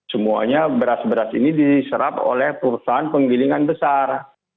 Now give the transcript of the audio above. semuanya beras beras ini diserap oleh perusahaan penggilingan besar